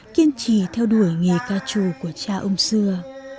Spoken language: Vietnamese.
kiên trì theo đuổi nghề ca trù của cha ông xưa